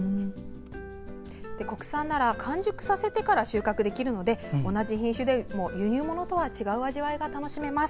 国産なら完熟させてから収穫できるので同じ品種でも輸入物とは違う味わいが楽しめます。